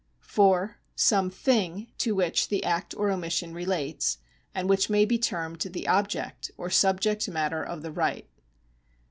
(4) Some thing to which the act or omission relates, and which may be termed the object or subject ynatter of the right.